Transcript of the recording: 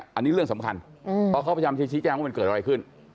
อันนี้เรื่องสำคัญเพราะเขาพยายามจะชี้แจ้งว่ามันเกิดอะไรขึ้น